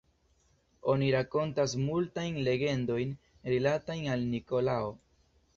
Oni rakontas multajn legendojn rilatajn al Nikolao.